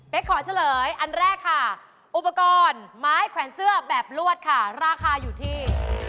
ขอเฉลยอันแรกค่ะอุปกรณ์ไม้แขวนเสื้อแบบลวดค่ะราคาอยู่ที่